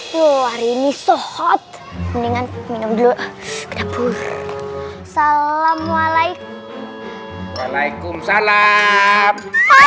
luar ini so hot dengan minum dulu ke dapur salamualaikum waalaikumsalam